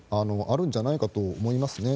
あるんじゃないかと思います。